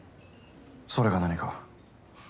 それが何か？